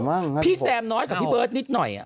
มาย้ำน้อยขอพี่เบิร์ทนิดหน่อย